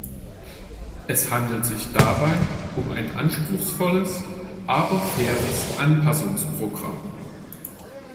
Es handelt sich dabei um ein anspruchsvolles, aber faires Anpassungsprogramm.